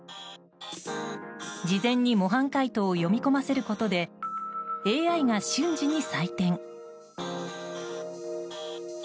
事前に模範解答を読み込ませることでＡＩが瞬時に採点。